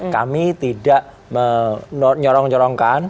kami tidak menyorong nyorongkan